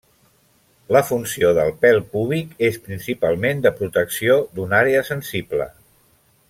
La funció del pèl púbic és principalment de protecció d'una àrea sensible.